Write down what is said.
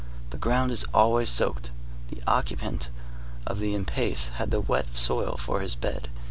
The ground is always soaked. The occupant of the in pace had this wet soil for his bed.